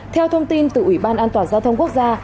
theo thông tin từ ủy ban an toàn giao thông quốc gia